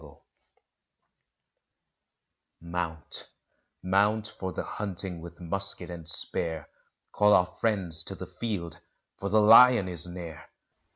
_ Mount mount for the hunting with musket and spear! Call our friends to the field for the lion is near!